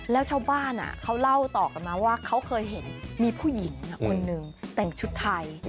แล้วชาวบ้านเขาเล่าต่อกันมาว่าเขาเคยเห็นมีผู้หญิงคนนึงแต่งชุดไทย